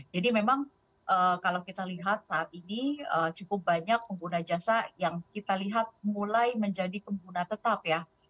jadi memang kalau kita lihat saat ini cukup banyak pengguna jasa yang kita lihat mulai menjadi pengguna tetap ya